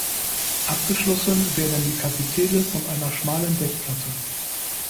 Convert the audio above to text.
Abgeschlossen werden die Kapitelle von einer schmalen Deckplatte.